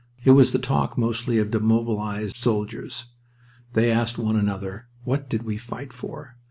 It was the talk, mostly, of demobilized soldiers. They asked one another, "What did we fight for?"